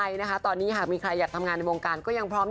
ยากอยากต้องปั่นดารา